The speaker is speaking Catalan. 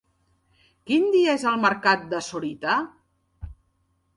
Quin dia és el mercat de Sorita?